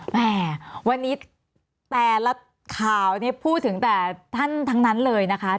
แหมวันนี้แต่ละข่าวนี้พูดถึงแต่ท่านทั้งนั้นเลยนะคะ